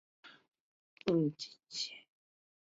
瓮津线